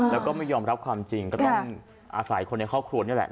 แล้วก็ไม่ยอมรับความจริงก็ต้องอาศัยคนในครอบครัวนี่แหละ